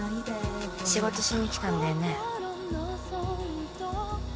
仕事しに来たんだよね